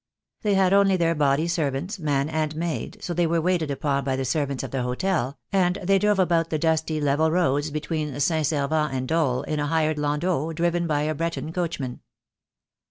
They had only their body servants, man and maid, so they were waited upon by the servants of the hotel, and they drove about the dusty, level roads between St. Servans and Dol in a hired landau, driven by a Breton coachman.